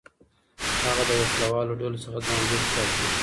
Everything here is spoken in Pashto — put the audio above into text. هغه د وسلهوالو ډلو څخه ځان لېرې ساتي.